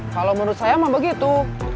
kalau menurut saya emang begitu